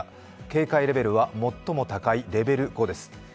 警戒レベルは最も高いレベル５です